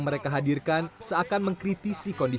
sebelum dituduh sebagai masyarakat penjahat